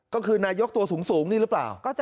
ก็คือนายกตัวสูงนี่หรือเปล่า